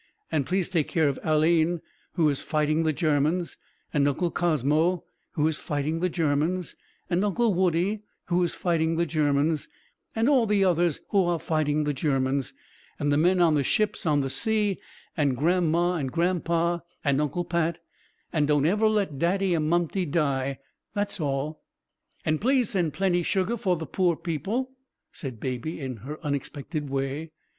And please take care of Alleyne, who is fighting the Germans, and Uncle Cosmo, who is fighting the Germans, and Uncle Woodie, who is fighting the Germans, and all the others who are fighting the Germans, and the men on the ships on the sea, and Grandma and Grandpa, and Uncle Pat, and don't ever let Daddy and Mumty die. That's all." "And please send plenty sugar for the poor people," said Baby, in her unexpected way.